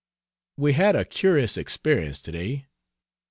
We had a curious experience today.